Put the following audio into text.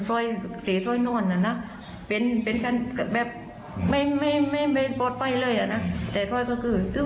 ซ่อยอีเอียงหน้านะเป็นการแบบไม่เปิดไปเลยอะนะแต่ก็คือคือ